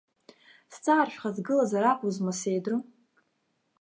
Сҵааршәха сгылазар акәызма, сеидру.